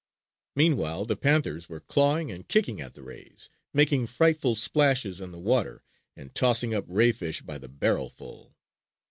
Meanwhile the panthers were clawing and kicking at the rays, making frightful splashes in the water and tossing up ray fish by the barrel full.